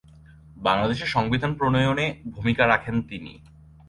বাংলাদেশের সংবিধান প্রণয়নে ভূমিকা রাখেন তিনি।